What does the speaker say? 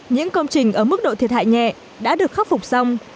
những công trình ở mức độ thiệt hại nhẹ đã được khắc phục xong